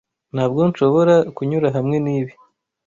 Ntabwo nshobora kunyura hamwe nibi.